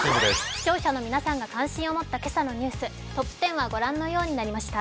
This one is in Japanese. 視聴者の皆さんが関心を持った今朝のニュース、トップ１０はご覧のようになりました。